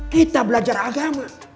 kita belajar agama